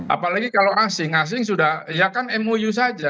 apalagi kalau asing asing sudah ya kan mou saja